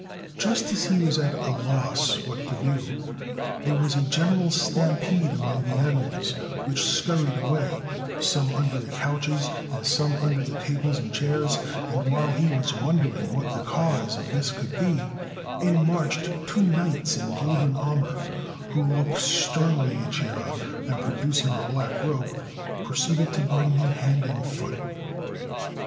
Just as he was at a loss what to do, there was a general stampede among the animals which scurried away, some under the couches and some under the tables and chairs; and while he was wondering what the cause of this could be, in marched two knights in golden armour, who looked sternly at Chia, and, producing a black rope, proceeded to bind him hand and foot.